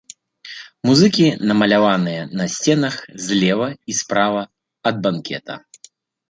Музыкі намаляваныя на сценах злева і справа ад банкета.